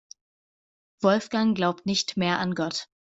Wolfgang glaubt nicht mehr an Gott.